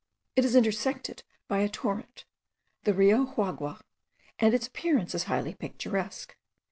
It is intersected by a torrent, the Rio Juagua, and its appearance is highly picturesque.